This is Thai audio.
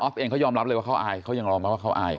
เองเขายอมรับเลยว่าเขาอายเขายังยอมรับว่าเขาอาย